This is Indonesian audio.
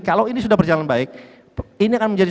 kalau ini sudah berjalan baik ini akan menjadi